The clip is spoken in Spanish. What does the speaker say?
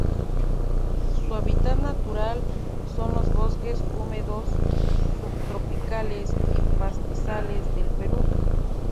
Su hábitat natural son los bosques húmedos subtropicales y pastizales del Perú.